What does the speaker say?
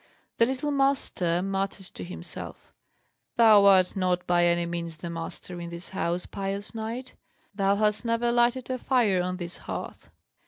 The little Master muttered to himself, "Thou art not by any means the master in this house, pious knight; thou hast never lighted a fire on this hearth."